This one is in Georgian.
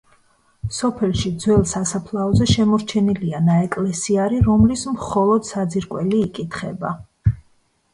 სოფელში ძველ სასაფლაოზე შემორჩენილია ნაეკლესიარი, რომლის მხოლოდ საძირკველი იკითხება.